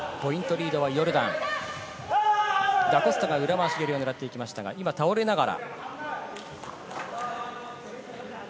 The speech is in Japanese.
リードはヨルダン、ダ・コスタが裏回し蹴りを狙っていきましたが倒れながら。